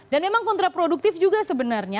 dan memang kontraproduktif juga sebenarnya